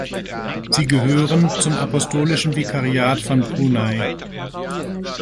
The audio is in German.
Sie gehören zum Apostolischen Vikariat von Brunei.